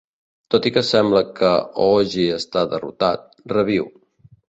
Tot i que sembla que Oogie està derrotat, reviu.